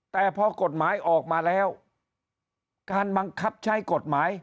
แต่พอกฎหมายออกมาแล้วการบังคับใช้กฎหมาย